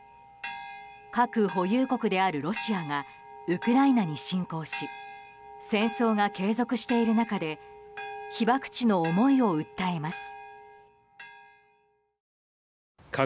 核保有国であるロシアがウクライナに侵攻し戦争が継続している中で被爆地の思いを訴えます。